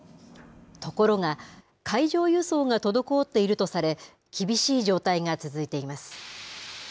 ところが、海上輸送が滞っているとされ、厳しい状態が続いています。